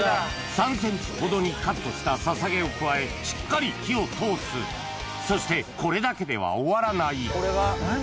３ｃｍほどにカットしたささげを加えしっかり火を通すそしてこれだけでは終わらない何？